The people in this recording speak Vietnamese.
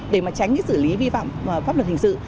để mà tránh cái xử lý vi phạm pháp luật hình sự